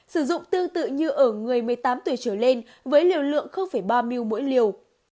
sử dụng tương tự như ở người một mươi tám tuổi trở lên với liều lượng ba mil mỗi liều